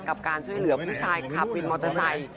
กับการช่วยเหลือผู้ชายขับวินมอเตอร์ไซค์